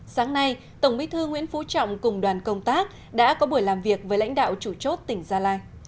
sáng nay tổng bí thư nguyễn phú trọng cùng đoàn công tác đã có buổi làm việc với lãnh đạo chủ chốt tỉnh gia lai